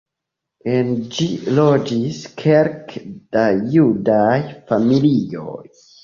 En ĝi loĝis kelke da judaj familioj.